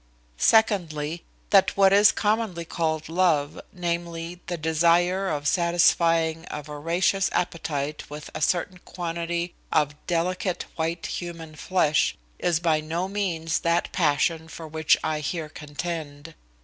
Secondly, that what is commonly called love, namely, the desire of satisfying a voracious appetite with a certain quantity of delicate white human flesh, is by no means that passion for which I here contend.